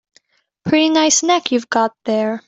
Pretty nice neck you've got there.